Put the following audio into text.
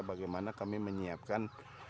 bagaimana kami menyiapkan